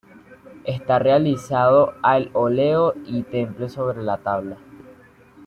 Está realizado al óleo y temple sobre tabla.